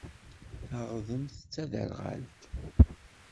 Taɣdemt d taderɣalt.